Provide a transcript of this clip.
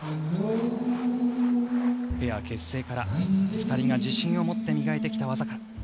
ペア結成から２人が自信を持って磨いてきた技から。